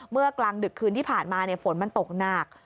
กลางดึกคืนที่ผ่านมาฝนมันตกหนัก